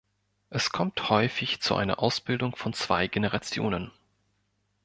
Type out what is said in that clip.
Es kommt häufig zu einer Ausbildung von zwei Generationen.